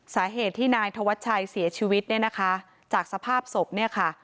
สาเหตุที่นายธวัชชัยเสียชีวิตเนี่ยนะคะจากสภาพศพเนี่ยค่ะ